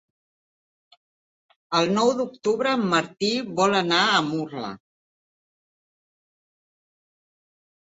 El nou d'octubre en Martí vol anar a Murla.